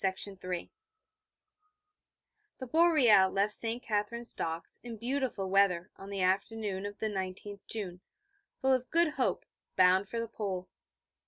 The Boreal left St. Katherine's Docks in beautiful weather on the afternoon of the 19th June, full of good hope, bound for the Pole.